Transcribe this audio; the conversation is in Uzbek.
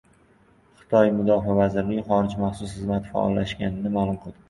Xitoy Mudofaa vazirligi xorij maxsus xizmatlari faollashganini ma’lum qildi